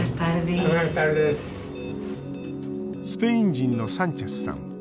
スペイン人のサンチェスさん。